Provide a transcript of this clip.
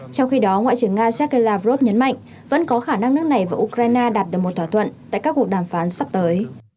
trong khi đó ngoại trưởng nga sergei lavrov nhấn mạnh vẫn có khả năng nước này và ukraine đạt được một thỏa thuận tại các cuộc đàm phán sắp tới